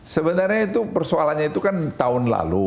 sebenarnya itu persoalannya itu kan tahun lalu